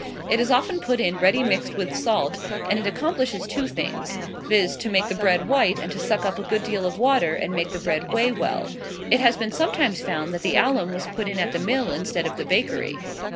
It is often put in ready mixed with salt, and it accomplishes two things, viz., to make the bread white, and to suck up a good deal of water, and make the bread weigh well. It has been sometimes found that the alum was put in at the mill instead of the bakery.